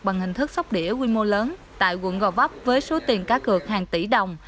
bằng hình thức sóc đĩa quy mô lớn tại quận gò vấp với số tiền cá cược hàng tỷ đồng